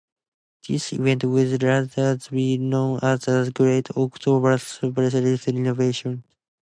This event would later be known as the Great October Socialist Revolution.